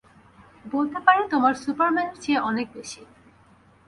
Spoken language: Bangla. বলতে পারি তোমার সুপারম্যানের চেয়ে অনেক বেশি।